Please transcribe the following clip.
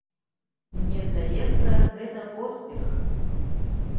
Мне здаецца, гэта поспех!